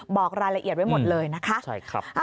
บอกรายละเอียดไว้หมดเลยนะคะ